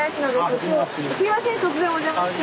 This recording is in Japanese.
すみません突然お邪魔して。